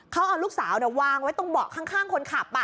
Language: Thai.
เขาเอาลูกสาววางไว้ตรงเบาะข้างคนขับ